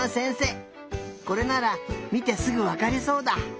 これならみてすぐわかりそうだ！